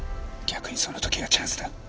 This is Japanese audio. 逆にその時がチャンスだ。